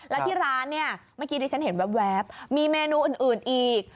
แล้วที่ร้านเนี่ยเมื่อกี้ที่ฉันเห็นแว๊บมีเมนูอื่นอีก